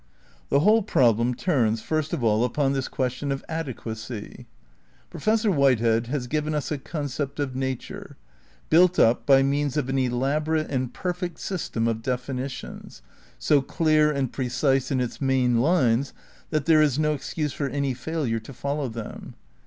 The whole problem turns, first of all, upon this ques tion of adequacy. Professor Whitehead has given us a concept of na ture, built up by means of an elaborate and perfect system of definitions, so clear and precise in its main lines that there is no excuse for any failure to foUow them.